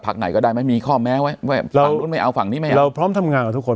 ผลักไหนก็ได้มั้ยมีข้อแม้ไว้เอาฝั่งนี้ไหมเราพร้อมทำงานกับทุกคน